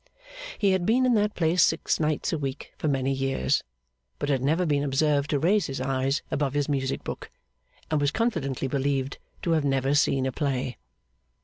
He had been in that place six nights a week for many years, but had never been observed to raise his eyes above his music book, and was confidently believed to have never seen a play.